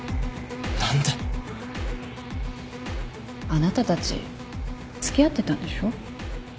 あなたたち付き合ってたんでしょ？